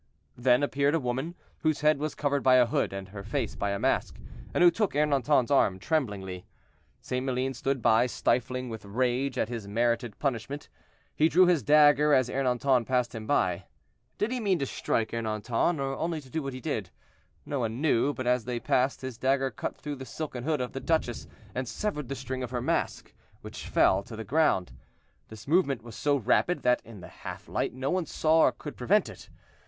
Then appeared a woman, whose head was covered by a hood, and her face by a mask, and who took Ernanton's arm, tremblingly. St. Maline stood by, stifling with rage at his merited punishment. He drew his dagger as Ernanton passed by him. Did he mean to strike Ernanton, or only to do what he did? No one knew, but as they passed, his dagger cut through the silken hood of the duchess and severed the string of her mask, which fell to the ground. This movement was so rapid that in the half light no one saw or could prevent it.